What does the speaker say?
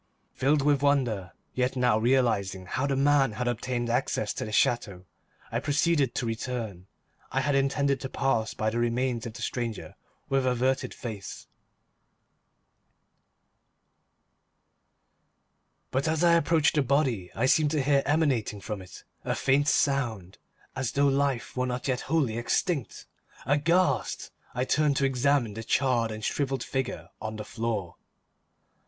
Filled with wonder, yet now realizing how the man had obtained access to the chateau, I proceeded to return. I had intended to pass by the remains of the stranger with averted face, but as I approached the body, I seemed to hear emanating from it a faint sound, as though life were not yet wholly extinct. Aghast, I turned to examine the charred and shrivelled figure on the floor.